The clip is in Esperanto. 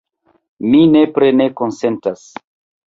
Mi nepre ne konsentas.